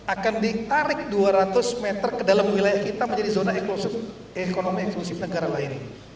akan ditarik dua ratus meter ke dalam wilayah kita menjadi zona ekonomi eksklusif negara lain